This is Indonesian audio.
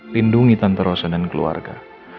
lindungi tante rosa dan keluarga